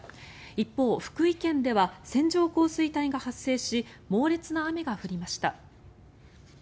一方、福井県では線状降水帯が発生し猛烈な雨が降りました。